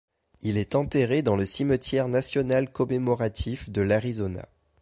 Il est enterré dans le cimetière national commémoratif de l'Arizona.